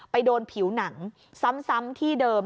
ไปโดนผิวหนังซ้ำที่เดิม